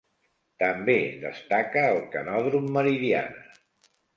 També destaca el Canòdrom Meridiana.